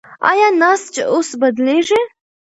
ایا نسج اوس بدلېږي؟